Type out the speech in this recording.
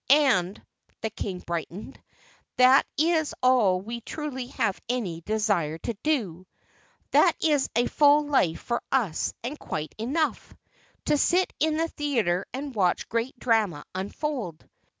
And," the King brightened, "that is all we truly have any desire to do. That is a full life for us and quite enough to sit in the theater and watch great drama unfold.